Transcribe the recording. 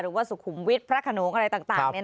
สุขุมวิทย์พระขนงอะไรต่าง